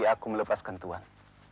aku melepaskan tuhan